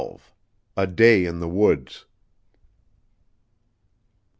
A DAY IN THE WOODS.